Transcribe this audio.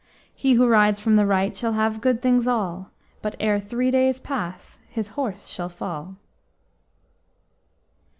He who rides from the right shall have good things all, But ere three days pass his horse shall fall!